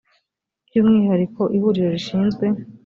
by umwihariko ihuriro rishinzwe